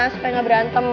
supaya nggak berantem